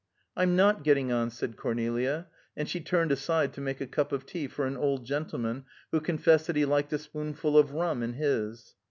"I'm not getting on," said Cornelia, and she turned aside to make a cup of tea for an old gentleman, who confessed that he liked a spoonful of rum in his.